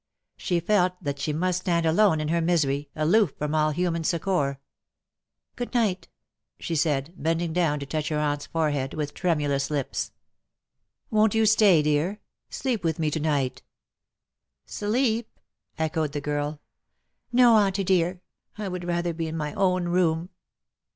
She felt that she must stand alone in her misery, aloof from all human succour. " Good night/' she said, bending down to touch her aunt's forehead, with tremulous lips. 264 LE SECRET DE POLICHINELLE. *^ Won^t you stay, dear? Sleep with me to night/^ " Sleep T' echoed the girl. ^' No, Auntie dear ; I would rather be in my own room